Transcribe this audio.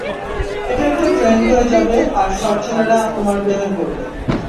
এটা একটা ট্রেন্ড হয়ে যাবে আর সব ছেলেরা তোমার প্রেমে পড়বে।